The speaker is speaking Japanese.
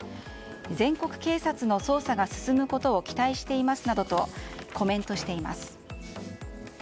全国警察の捜査が進むことを期待していますなどとコメントしています。